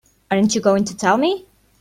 Aren't you going to tell me?